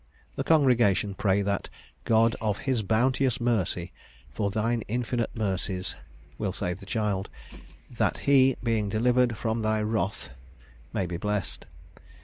The congregation pray that God "of his bounteous mercy," "for thine infinite mercies," will save the child, "that he, being delivered from thy wrath," may be blessed.